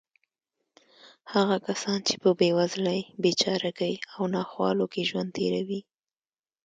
هغه کسان چې په بېوزلۍ، بېچارهګۍ او ناخوالو کې ژوند تېروي.